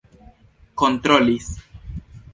kontrolis